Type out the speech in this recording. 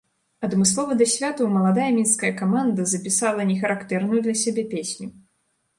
Адмыслова да святаў маладая мінская каманда запісала не характэрную для сябе песню.